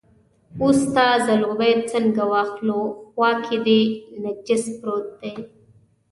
اوس ستا ځلوبۍ څنګه واخلو، خوا کې دې نجس پروت دی.